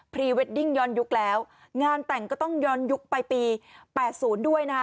พรีเวดดิ้งย้อนยุคแล้วงานแต่งก็ต้องย้อนยุคไปปี๘๐ด้วยนะคะ